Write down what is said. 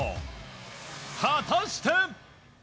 果たして。